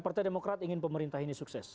partai demokrat ingin pemerintah ini sukses